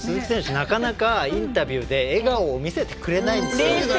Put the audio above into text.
なかなかインタビューで笑顔を見せてくれないんです。